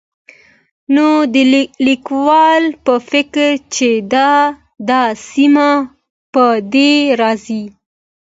نو د ليکوال په فکر چې دا سيمه په دې ارځي